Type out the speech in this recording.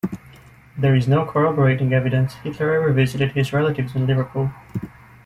There is no corroborating evidence Hitler ever visited his relatives in Liverpool.